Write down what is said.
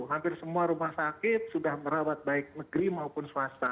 hampir semua rumah sakit sudah merawat baik negeri maupun swasta